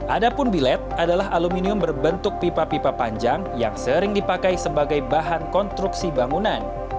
adapun bilet adalah aluminium berbentuk pipa pipa panjang yang sering dipakai sebagai bahan konstruksi bangunan